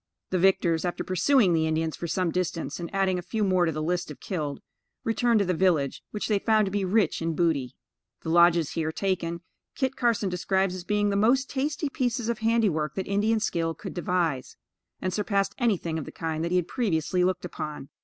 The victors, after pursuing the Indians for some distance, and adding a few more to the list of killed, returned to the village, which they found to be rich in booty. The lodges here taken, Kit Carson describes as being the most tasty pieces of handiwork that Indian skill could devise, and surpassed anything of the kind that he had previously looked upon.